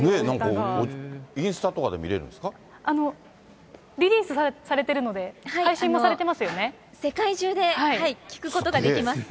インスタとかで見れるんですリリースされているので、配世界中で聴くことができます。